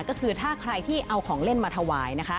ก็คือถ้าใครที่เอาของเล่นมาถวายนะคะ